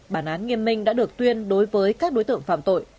bản án nghiêm minh đã được tuyên đối với các đối tượng phạm tội